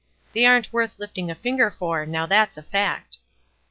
They aren't worth lifting a finger for. Now, that's a fact."